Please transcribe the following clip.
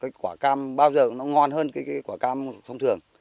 cái quả cam bao giờ nó ngon hơn cái quả cam thông thường